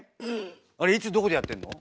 あれいつどこでやってんの？